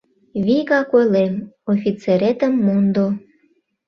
Вигак ойлем: офицеретым мондо!